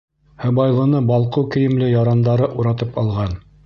Һыбайлыны балҡыу кейемле ярандары уратып алған.